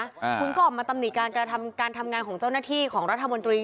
คุณก็ออกมาตำหนิการการทำการทำงานของเจ้าหน้าที่ของรัฐมนตรี